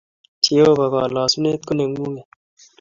Jehova kolosunet koneng’ung’et